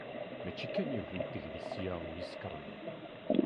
Mačči kan yiwet n teglisya i sekkṛen.